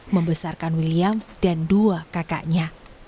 membesarkan william dan dua kakaknya